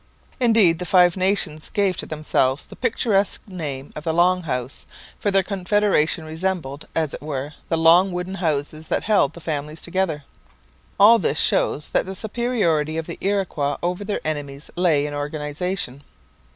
Indeed, the Five Nations gave to themselves the picturesque name of the Long House, for their confederation resembled, as it were, the long wooden houses that held the families together. All this shows that the superiority of the Iroquois over their enemies lay in organization.